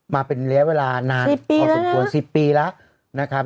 มาเป็นเรียกเวลานานสิบปีแล้วนะขอสมควรสิบปีแล้วนะครับ